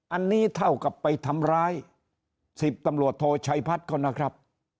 อันนี้เท่ากับไปทำร้าย๑๐ตำรวจโทชัยพัฒน์เขานะครับ